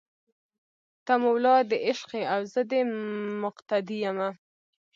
ته مولا دې عشق یې او زه دې مقتدي یمه